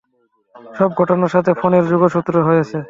সব ঘটনার সাথে ফোনের যোগসূত্র হয়েছে।